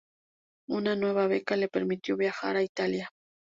Una nueva beca le permitió viajar a Italia.